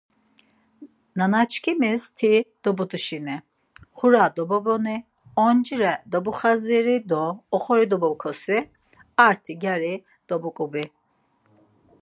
Nanaçkimis ti dobut̆işini, xura dobuboni, oncire dobuxadziri do oxori dobukosi, arti gyari dobugubi.